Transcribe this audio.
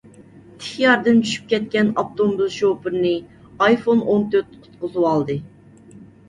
تىك ياردىن چۈشۈپ كەتكەن ئاپتوموبىل شوپۇرىنى ئايفون ئون تۆت قۇتقۇزۋالدى.